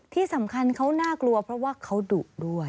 ที่สำคัญเขาน่ากลัวเพราะว่าเขาดุด้วย